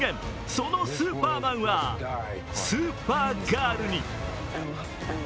そのスーパーマンはスーパーガールに。